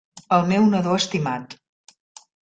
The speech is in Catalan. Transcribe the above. El meu nadó estimat.